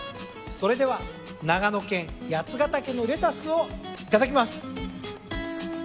それでは長野県八ヶ岳のレタスをいただきます。